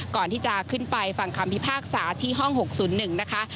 ก่อนที่จะขึ้นไปฟังคำพิพากษาที่ห้อง๖๐๑นะคะ